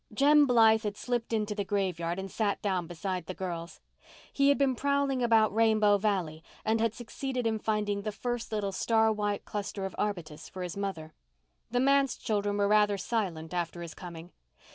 Jem Blythe had slipped into the graveyard and sat down beside the girls. He had been prowling about Rainbow Valley and had succeeded in finding the first little star white cluster of arbutus for his mother. The manse children were rather silent after his coming.